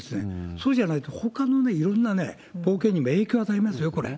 そうじゃないとほかのね、いろんな冒険にも影響を与えますよ、これ。